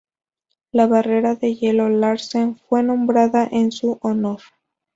La barrera de hielo Larsen fue nombrada en su honor.